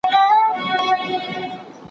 که پښتو ژبه وي نو زموږ هویت نه ورکيږي.